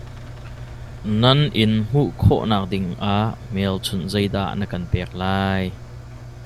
Nan inn hmuh khawhnak ding ah hmelchunh zeidah na kan pek lai?